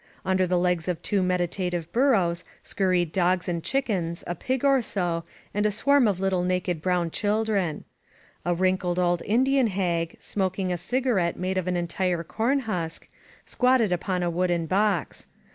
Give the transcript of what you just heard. Under the legs of two meditative burros scurried dogs and chickens, a pig or so, and a swarm of little naked brown children. A wrinkled old Indian hag, smoking a cigarette made of an entire corn husk, squatted upon a wooden box.